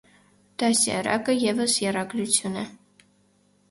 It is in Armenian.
«Դաստիարակը» ևս եռագրություն է։